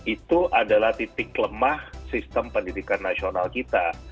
itu adalah titik lemah sistem pendidikan nasional kita